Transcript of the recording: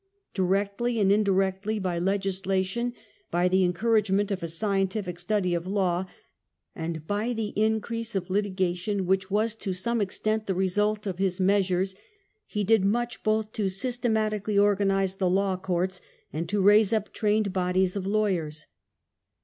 Directly and indirectly, by legislation, by the encouragement of a The law scientific study of law, and by the increase of courts, litigation which was to some extent the result of his measures, he did much both to systematically organize the law courts, and to raise up trained bodies of lawyers.